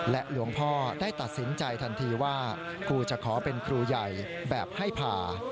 หลวงพ่อได้ตัดสินใจทันทีว่าครูจะขอเป็นครูใหญ่แบบให้ผ่า